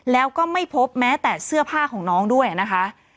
แล้วก็ไม่พบแม้แต่เสื้อผ้าของน้องด้วยนะคะ